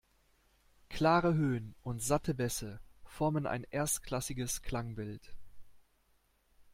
Klare Höhen und satte Bässe formen ein erstklassiges Klangbild.